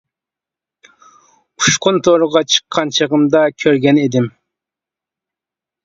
ئۇچقۇن تورىغا چىققان چېغىمدا كۆرگەن ئىدىم.